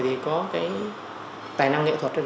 thì có cái tài năng nghệ thuật